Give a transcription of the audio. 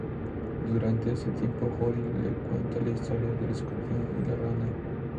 Durante este tiempo, Jody le cuenta la historia del Escorpión y la Rana.